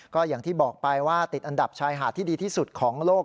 ก็อย่างที่บอกไปว่าติดอันดับชายหาดที่ดีที่สุดของโลก